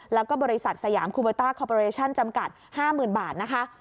แล้วก็บริษัทสยามคูเบอร์ต้าคอปอเรชั่นจำกัด๕๐๐๐บาทนะคะ